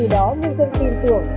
vì từ đó dân tin tưởng